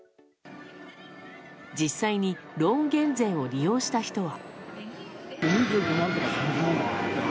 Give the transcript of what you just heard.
実際にローン減税を利用した人は。